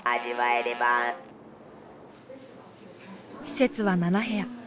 施設は７部屋。